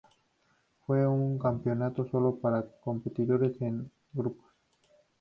Fue un campeonato sólo para competiciones en grupos.